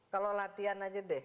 kalau latihan aja deh